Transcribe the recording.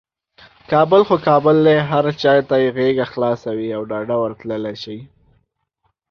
کابل خو کابل دی، هر چاته یې غیږه خلاصه وي او ډاده ورتللی شي.